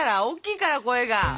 おっきいから声が。